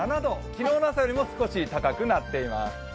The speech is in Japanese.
昨日の朝よりも少し高くなっています。